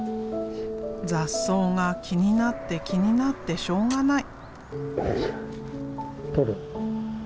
雑草が気になって気になってしょうがない。